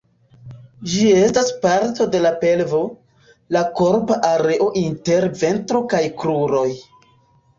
Ĝi estas parto de la pelvo, la korpa areo inter ventro kaj kruroj.